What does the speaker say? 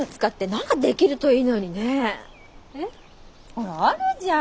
ほらあるじゃん。